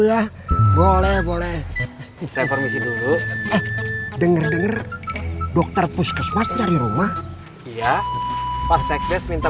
ya boleh boleh bisa permisi dulu denger denger dokter puskesmas nyari rumah ya pas sekses minta